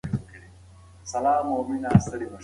موږ باید د خپل هېواد تاریخ ته درناوی وکړو.